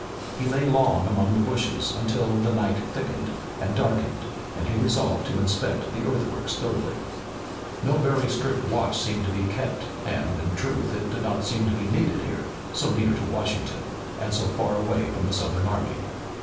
He lay long among the bushes until the night thickened and darkened and he resolved to inspect the earthworks thoroughly. No very strict watch seemed to be kept, and, in truth, it did not seem to be needed here so near to Washington, and so far away from the Southern army.